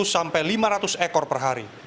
sepuluh sampai lima ratus ekor per hari